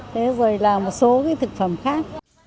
thế rồi là một số thực phẩm khác